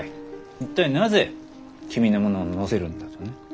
一体なぜ君のものを載せるんだとね。